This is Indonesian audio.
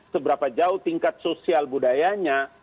seberapa jauh tingkat sosial budayanya